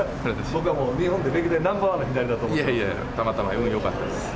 僕はもう日本で歴代ナンバーワンのだと思ってるんで、いやいや、たまたま、運よかったです。